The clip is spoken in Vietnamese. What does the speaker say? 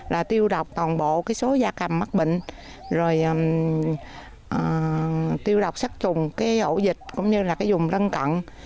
là tiêu độc toàn bộ số gia cầm mắc bệnh tiêu độc sát trùng ổ dịch cũng như dùng lân cận